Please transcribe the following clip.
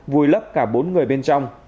vùi lấp cả bốn người bên trong